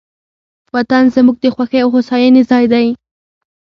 وطن زموږ د خوښۍ او هوساینې ځای دی.